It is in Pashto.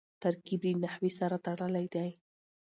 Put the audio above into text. ترکیب له نحوي سره تړلی دئ.